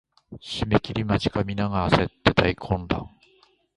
締切間近皆が集って大混乱